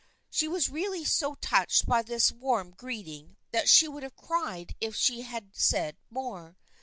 She was really so touched by this warm greeting that she would have cried if she had said more.